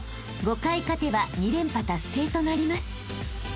［５回勝てば２連覇達成となります］